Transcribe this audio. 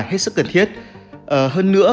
hết sức cần thiết hơn nữa